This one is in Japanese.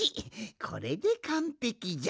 これでかんぺきじゃ。